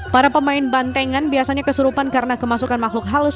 para pemain bantengan biasanya kesurupan karena kemasukan makhluk halus